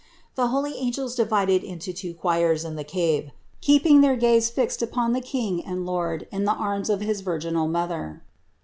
The holy angels divided into two choirs in the cave, keeping their gaze fixed upon the King and Lord in the arms of his virginal Mother.